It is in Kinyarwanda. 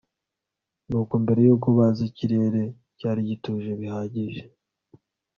mbere yuko baza ikirere cyari gituje bihagije